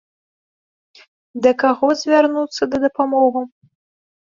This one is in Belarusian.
Да каго звярнуцца да дапамогу?